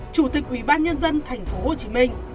chủ tịch ubnd tp hcm